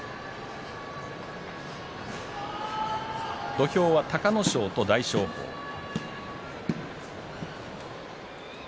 土俵は隆の勝と大翔鵬です。